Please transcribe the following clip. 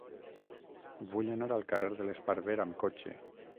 Vull anar al carrer de l'Esparver amb cotxe.